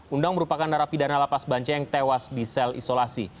undang merupakan narapidana lapas banci yang tewas di sel isolasi